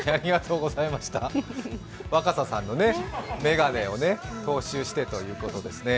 若狭さんの眼鏡を踏襲してということですね。